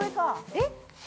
◆えっ！？